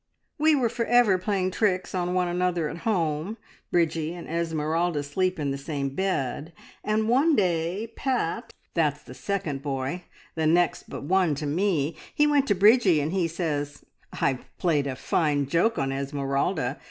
"We were for ever playing tricks on one another at home. Bridgie and Esmeralda sleep in the same bed, and one day Pat that's the second boy the next but one to me he went to Bridgie and he says, `I've played a fine joke on Esmeralda!